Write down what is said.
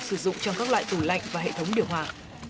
sử dụng trong các loại tủ lạnh và hệ thống điều hòa